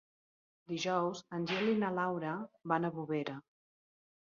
Dijous en Gil i na Laura van a Bovera.